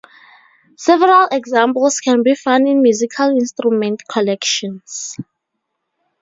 Several examples can be found in musical instrument collections.